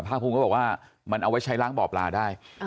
ภาคภูมิก็บอกว่ามันเอาไว้ใช้ล้างบ่อปลาได้